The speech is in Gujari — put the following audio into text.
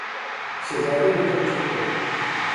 شہزادی نے کہیو ٹھیک ہے "